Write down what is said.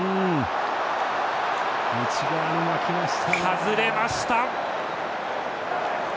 外れました。